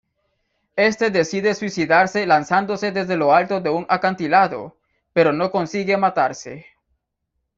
Este decide suicidarse lanzándose desde lo alto de un acantilado, pero no consigue matarse.